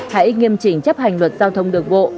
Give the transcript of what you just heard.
hãy nghiêm chỉnh chấp hành luật giao thông đường bộ